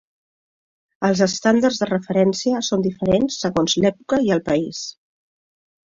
Els estàndards de referència són diferents segons l'època i el país.